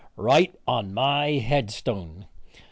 Right on my headstone!